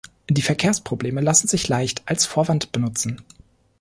Die Verkehrsprobleme lassen sich leicht als Vorwand benutzen.